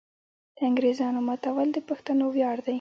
د انګریزامو ماتول د پښتنو ویاړ دی.